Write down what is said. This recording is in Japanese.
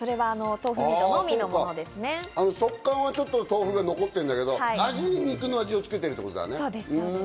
食感はちょっと豆腐が残ってるんだけど、味に肉の味をつけてるってことだね。